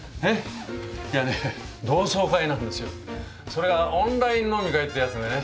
それがオンライン飲み会ってやつでね。